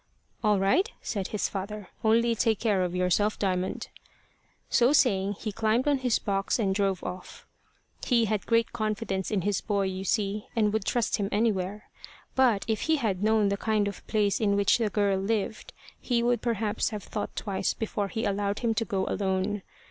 "All right," said his father. "Only take care of yourself, Diamond." So saying he climbed on his box and drove off. He had great confidence in his boy, you see, and would trust him anywhere. But if he had known the kind of place in which the girl lived, he would perhaps have thought twice before he allowed him to go alone.